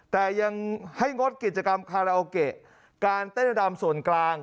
แต่ยังให้งดกิจกรรมคาราโอเกะการเต้นระดับส่วนกลาง